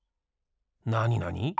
なになに？